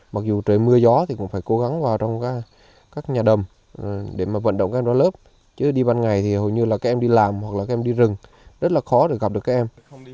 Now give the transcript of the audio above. mặc dù trời mưa gió thì cũng phải cố gắng vào trong các nhà đầm để mà vận động các em ra lớp chứ đi ban ngày thì hầu như là các em đi làm hoặc là các em đi rừng rất là khó để gặp được các em